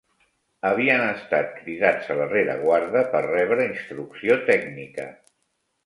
Havien estat cridats a la rereguarda per rebre instrucció tècnica